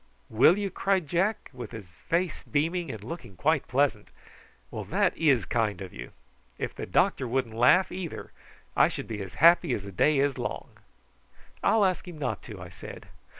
"Will you?" cried Jack, with his face beaming, and looking quite pleasant. "Well, that is kind of you. If the doctor wouldn't laugh either I should be as happy as the day's long." "I'll ask him not to," I said.